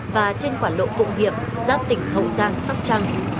và trên quả lộ phụng hiệp giáp tỉnh hậu giang sóc trăng